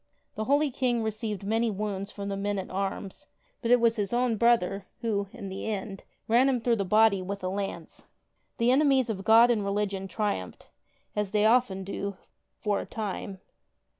The holy King received many wounds from the men at arms, but it was his own brother who, in the end, ran him through the body with a lance. The enemies of God and religion triumphed, as they often do' for a time.